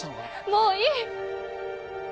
もういい！